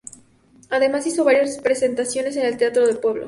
Además hizo varias presentaciones en el Teatro del Pueblo.